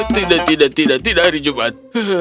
tidak tidak tidak tidak hari jumat